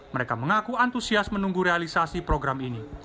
mereka mengaku antusias menunggu realisasi program ini